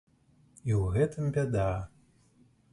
І ў гэтым бяда!